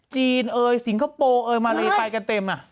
จีนเอ้ยสิงคโปร์เอ้ยมารีไปกันเต็ม